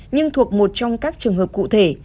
nhưng thuộc một trong các trường hợp cụ thể